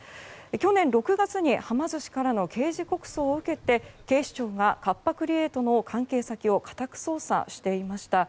去年６月にはま寿司からの刑事告訴を受けて警視庁がカッパ・クリエイトの関係先を家宅捜査していました。